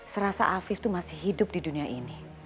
serasa afif itu masih hidup di dunia ini